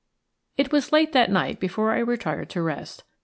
It was late that night before I retired to rest.